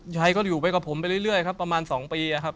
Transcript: ยายก็อยู่ไปกับผมไปเรื่อยครับประมาณ๒ปีครับ